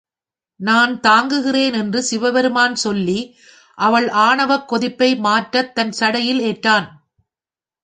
நான் தாங்குகிறேன் என்று சிவபெருமான் சொல்லி அவள் ஆணவக் கொதிப்பை மாற்றத் தன் சடையில் ஏற்றான்.